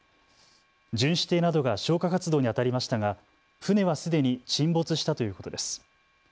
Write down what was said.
巡視艇などが消火活動にあたりましたが船はすでに沈没したということです。